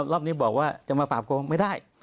รอบนี้บอกว่าจะมาปราบโกงไม่ได้